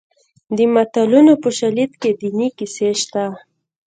د متلونو په شالید کې دیني کیسې شته